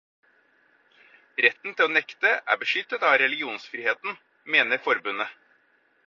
Retten til å nekte er beskyttet av religionsfriheten, mener forbundet.